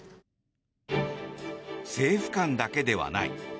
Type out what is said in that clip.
政府間だけではない。